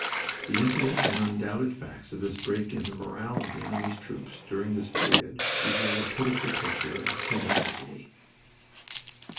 The intimate and undoubted facts of this break in the morale of the enemy's troops during this period reveal a pitiful picture of human agony.